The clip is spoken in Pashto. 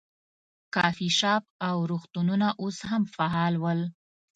کافې شاپ او روغتونونه اوس هم فعال ول.